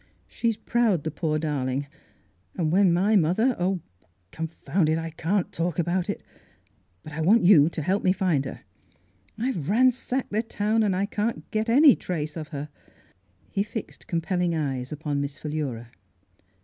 She's proud, the poor darling, and when my mother — Oh, confound it ! I can't talk about it. But I want you to help me find her. I've ran sacked the town, and I can't get any trace of her.'^ Miss Philura's Wedding Gown He fixed compelling eyes upon Miss Philura.